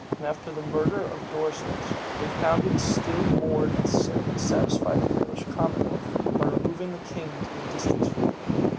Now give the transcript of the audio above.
And after the murder of Dorislaus, they found it still more necessary to satisfy the English commonwealth, by removing the king to a distance from them.